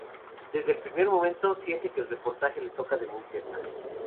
Desde el primer momento, siente que el reportaje le toca de muy cerca.